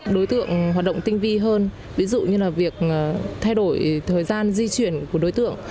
đối tượng hoạt động tinh vi hơn ví dụ như là việc thay đổi thời gian di chuyển của đối tượng